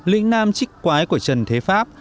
lĩnh nam trích quái của trần thế pháp